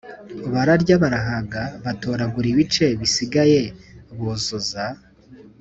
Bararya barahaga batoragura ibice bisigaye buzuza